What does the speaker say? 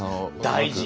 大事。